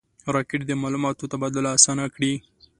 راکټ د معلوماتو تبادله آسانه کړې